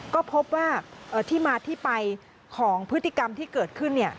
ก็พบว่าที่มาที่ไปของพฤติกรรมที่เกิดขึ้น